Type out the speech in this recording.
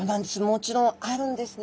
もちろんあるんですね。